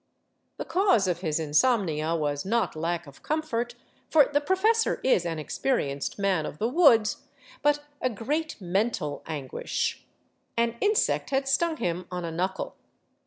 The cause of his insomnia was not lack of comfort, for the professor is an experienced man of the woods, but s great 463 VAGABONDING DOWN THE ANDES mental anguish. An insect had stung him on a knuckle.